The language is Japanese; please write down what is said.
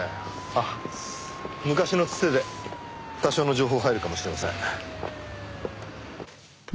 あっ昔のツテで多少の情報入るかもしれません。